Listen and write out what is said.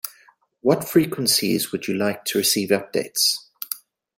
What frequencies would you like to receive updates?